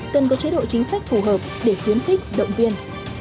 cần có chế độ chính sách phù hợp để khiến thích động viên